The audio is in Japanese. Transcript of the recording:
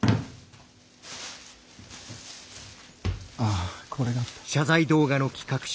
あこれがあった。